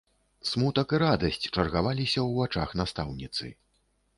Смутак і радасць чаргаваліся ў вачах настаўніцы.